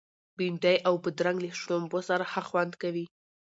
بنډۍ او بادرنګ له شړومبو سره ښه خوند کوي.